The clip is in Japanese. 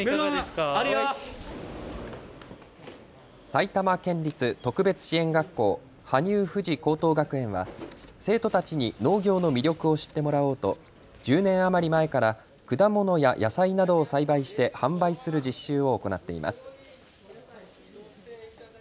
埼玉県立特別支援学校羽生ふじ高等学園は生徒たちに農業の魅力を知ってもらおうと１０年余り前から果物や野菜などを栽培して販売する実習を行っています。